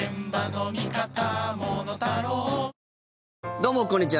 どうもこんにちは。